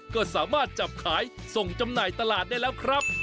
ก็สามารถจับขายส่งจำหน่ายตลาดได้แล้วครับ